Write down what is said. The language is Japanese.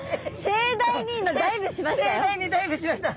盛大にダイブしました。